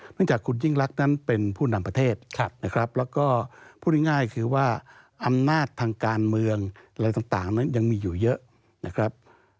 หลังจากคุณยิ่งรักนั้นเป็นผู้นำประเทศนะครับแล้วก็พูดง่ายคือว่าอำนาจทางการเมืองอะไรต่างนั้นยังมีอยู่เยอะนะครับ